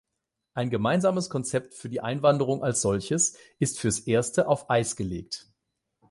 Ein gemeinsames Konzept für die Einwanderung als solches ist fürs erste auf Eis gelegt.